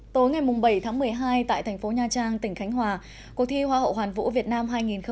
tối ngày bảy tháng một mươi hai tại thành phố nha trang tỉnh khánh hòa cuộc thi hoa hậu hoàn vũ việt nam hai nghìn một mươi chín